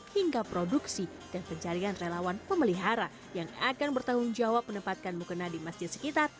hingga produksi dan pencarian relawan pemelihara yang akan bertanggung jawab menempatkan mukena di masjid sekitar